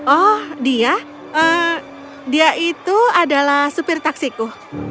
oh dia dia itu adalah supir taksiku